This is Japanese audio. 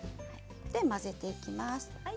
混ぜていきます。